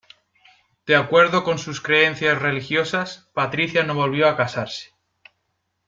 De acuerdo con sus creencias religiosas, Patricia no volvió a casarse.